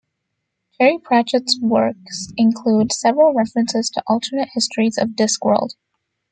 Terry Pratchett's works include several references to alternate histories of Discworld.